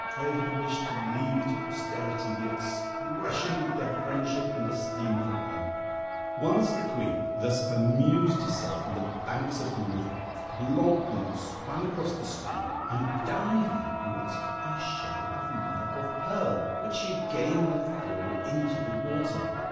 They had wished to leave to posterity the expression of their friendship and esteem for her. Whilst the Queen thus amused herself on the banks of the river, Blanc blanc swam across the stream, and diving brought up a shell of mother of pearl, which she again let fall into the water.